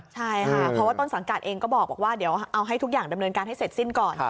ใช่ค่ะเพราะว่าต้นสังกัดเองก็บอกว่าเดี๋ยวเอาให้ทุกอย่างดำเนินการให้เสร็จสิ้นก่อน